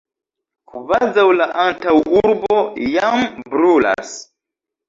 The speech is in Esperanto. kvazaŭ la antaŭurbo jam brulas!